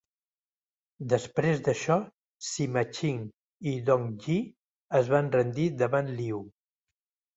Després d'això, Sima Xin i Dong Yi es van rendir davant Liu.